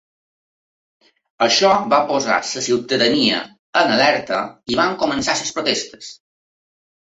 Això va posar la ciutadania en alerta i van començar les protestes.